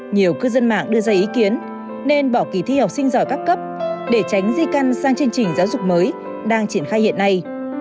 nhiều cư dân mạng đưa ra ý kiến nên bỏ kỳ thi học sinh giỏi các cấp để tránh di căn sang chương trình giáo dục mới đang triển khai hiện nay